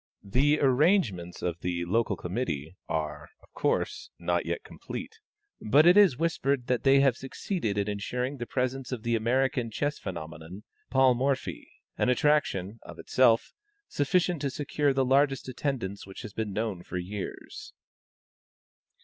The arrangements of the local committee are, of course, not yet complete, but it is whispered that they have succeeded in insuring the presence of the American chess phenomenon, Paul Morphy, an attraction, of itself, sufficient to secure the largest attendance which has been known for years.